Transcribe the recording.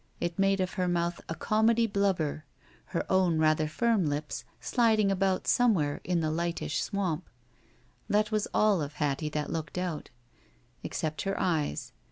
It made of her mouth a comedy blubber, her own rather firm lips sliding about somewhere in the lightish swamp. That was all of Hattie that looked out. Except her eyes.